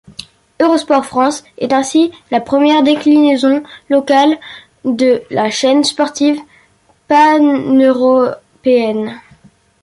Eurosport France est ainsi la première déclinaison locale de la chaîne sportive pan-européenne.